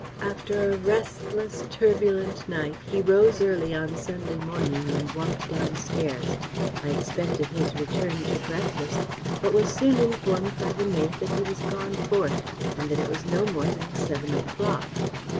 "After a restless turbulent night, he rose early on Sunday morning and walked down stairs. I expected his return to breakfast, but was soon informed by the maid that he was gone forth, and that it was no more than seven o'clock.